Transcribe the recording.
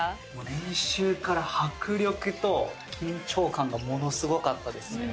練習から迫力と緊張感がものすごかったですね。